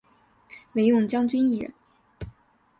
惟用将军一人。